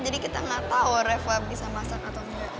jadi kita gak tau reba bisa masak atau enggak